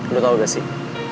lo tahu gak sih